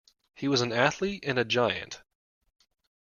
He was an athlete and a giant.